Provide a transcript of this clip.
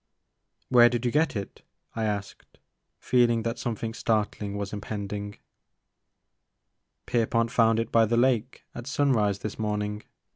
" Where did you get it ?" I asked, feeling that something startling was impending. Pierpont found it by the lake at sunrise this M 36 The Maker of Moons. morning.